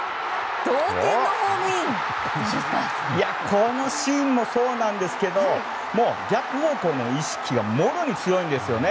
このシーンもそうなんですけどもう、逆方向の意識がもろに強いんですよね。